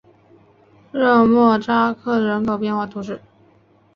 热莫扎克人口变化图示